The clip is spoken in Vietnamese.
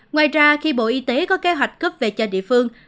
ngoài ra khi bộ y tế có kế hoạch cấp về cho địa phương